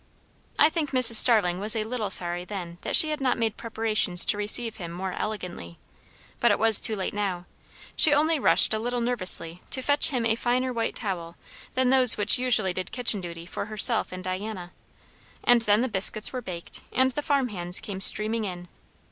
I think Mrs. Starling was a little sorry then that she had not made preparations to receive him more elegantly; but it was too late now; she only rushed a little nervously to fetch him a finer white towel than those which usually did kitchen duty for herself and Diana; and then the biscuits were baked, and the farm hands came streaming in.